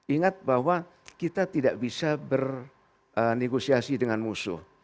ingat bahwa kita tidak bisa bernegosiasi dengan musuh